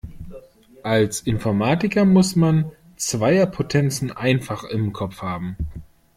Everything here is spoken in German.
Als Informatiker muss man Zweierpotenzen einfach im Kopf haben.